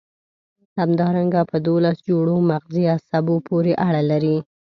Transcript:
همدارنګه په دوولس جوړو مغزي عصبو پورې اړه لري.